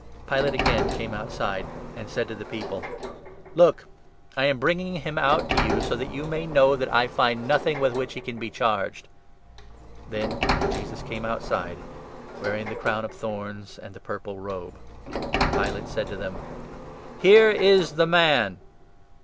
Pilate again came 4 outside, and said to the people :" Look ! I am bringing him out to you, so that you may know that I find nothing with which he can be charged." Then Jesus came outside, wearing the crown of thorns and 5 the purple robe ; and Pilate said to them :" Here is the man